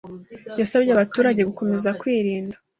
Yasabye abaturage gukomeza kwirinda